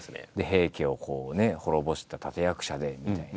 平家を滅ぼした立て役者でみたいな。